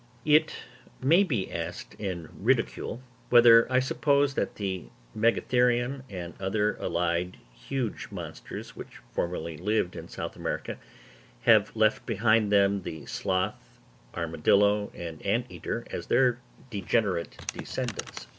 It may be asked in ridicule whether I suppose that the megatherium and other allied huge monsters, which formerly lived in South America, have left behind them the sloth, armadillo, and anteater, as their degenerate descendants.